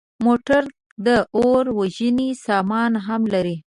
موټر د اور وژنې سامان هم لري.